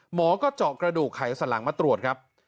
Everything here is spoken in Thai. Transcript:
หมอก็เจาะกระดูกไขสลังมาตรวจครับ